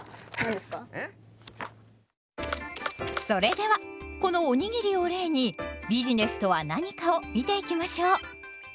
それではこのおにぎりを例にビジネスとは何かを見ていきましょう。